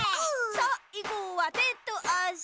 さいごはてとあし。